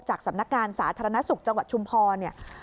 สำนักงานสาธารณสุขจังหวัดชุมพรเนี่ย